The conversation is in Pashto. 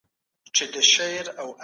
خپل اخلاقي اصول مه هیروه.